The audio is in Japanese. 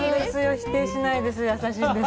否定しないです。